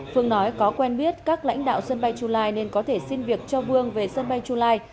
phương nói có quen biết các lãnh đạo sân bay chu lai nên có thể xin việc cho vương về sân bay chu lai